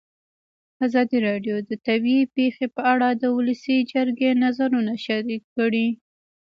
ازادي راډیو د طبیعي پېښې په اړه د ولسي جرګې نظرونه شریک کړي.